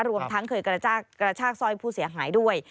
รวมทั้งเคยกระชากสร้อยผู้เสียหายด้วย